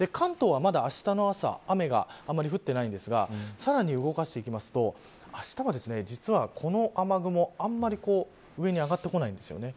関東は、まだあしたの朝雨があまり降っていないんですがさらに動かしていくとあしたは、実はこの雨雲あまり上に上がってこないんです。